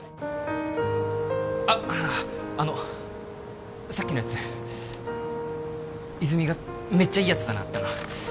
あっあのさっきのやつ泉がめっちゃいいヤツだなって